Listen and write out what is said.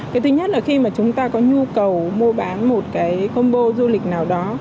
cái thứ nhất là khi mà chúng ta có nhu cầu mua bán một cái combo du lịch nào đó